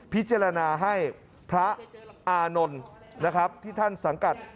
พิจารณาให้พระอานลที่ท่านสังกัด